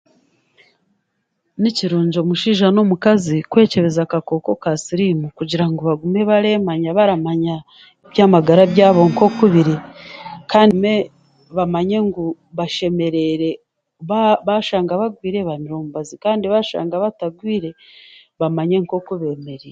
Ni kirungi omushaija n'omukazi kwekyebeza akakooko ka siriimu kugira ngu bagume bareemanya baramanye eby'amagara byabo nk'oku biri kandi ne baamanye ngu bashemereire ba baashanga bagwire bamire omubazi kandi baashanga batagwire bamanye oku beemereire